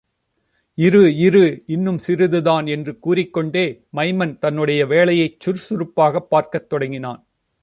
இரு, இரு இன்னும் சிறிதுதான் என்று கூறிக்கொண்டே, மைமன் தன்னுடைய வேலையைச் சுறுசுறுப்பாகப் பார்க்கத் தொடங்கினான்.